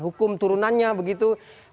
hukum turunannya begitu